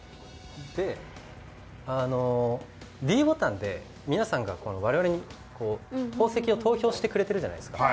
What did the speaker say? で、ｄボタンで皆さんが我々に宝石を投票してくれているじゃないですか。